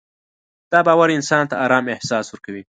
دا باور انسان ته ارام احساس ورکوي.